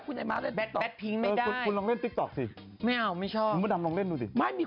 คนเอาเสียงฉันไปเรียนแบบฉันจะเกลียดอะไรยังไงบ้างเนี่ย